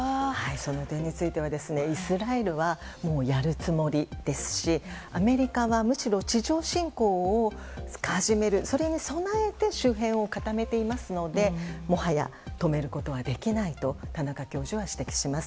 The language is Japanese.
その点についてはイスラエルはもうやるつもりですしアメリカは地上侵攻を始めるそれに備えて周辺を固めていますのでもはや止めることはできないと田中教授は指摘します。